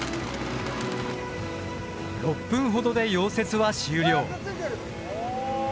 ６分ほどで溶接は終了。